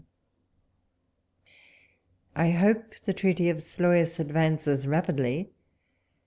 I HOPE the treaty of Sluys advances rapidly.